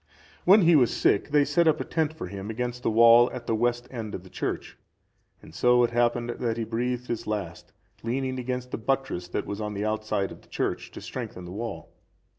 When he was sick they set up a tent for him against the wall at the west end of the church, and so it happened that he breathed his last, leaning against a buttress that was on the outside of the church to strengthen the wall.